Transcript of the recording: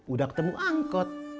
udah ketemu angkot